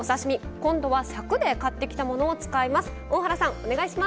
今度は、さくで買ってきたものを使います。